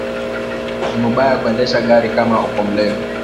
Ni mubaya kuendesha gari kama uko mulevi